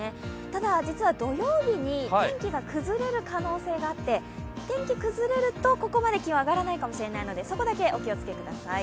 ただ、実は土曜日に天気が崩れる可能性があって、天気崩れると、ここまで気温上がらないかもしれないのでそこだけお気をつけください。